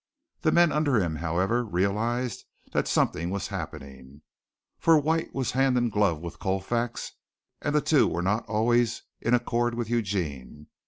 The men under him, however, realized that something was happening, for White was hand and glove with Colfax, and the two were not always in accord with Eugene.